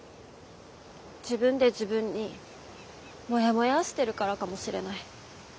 自分で自分にもやもやーしてるからかもしれない。